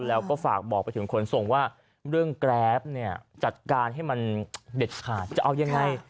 แล้วก็ฝากบอกไปถึงขนส่งว่าเรื่องแกรปเนี่ยจัดการให้มันเด็ดขาดจะเอายังไง